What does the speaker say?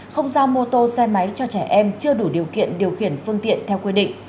không giao mô tô xe máy cho trẻ em chưa đủ điều kiện điều khiển phương tiện theo quy định